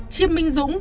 chiêm minh dũng